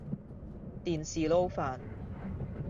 電視撈飯